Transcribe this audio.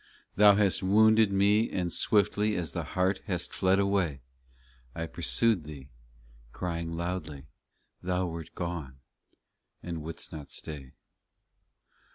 Thou hast wounded me and swiftly As the hart hast fled away. I pursued Thee, crying loudly, Thou wert gone, and wouldest not stay.